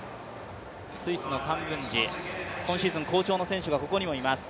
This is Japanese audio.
スイスのカンブンジ、今シーズン好調な選手がここにもいます。